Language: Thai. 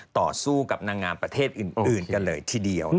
ต่อสู้กับนางงามประเทศอื่นกันเลยทีเดียว